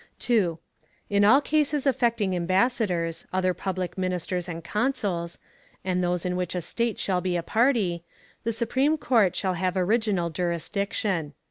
2. In all cases affecting ambassadors, other public ministers and consuls, and those in which a State shall be a party, the Supreme Court shall have original jurisdiction.